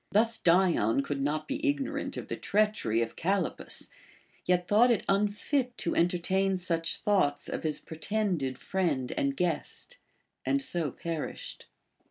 Thus Dion could not be ignorant of the treachery of Callippus, yet thought it unfit to entertain such thoughts of his pretended friend and guest, and so perished.